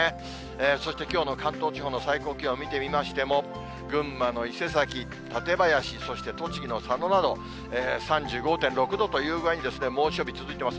そしてきょうの関東地方の最高気温を見てみましても、群馬の伊勢崎、館林、そして栃木の佐野など、３５．６度という具合に猛暑日、続いてます。